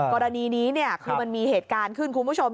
กรณีนี้คือมันมีเหตุการณ์ขึ้นคุณผู้ชม